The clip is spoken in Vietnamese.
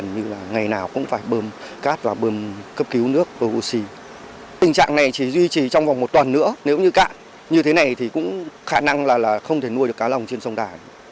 như thế này thì cũng khả năng là không thể nuôi được cá lồng trên sông đà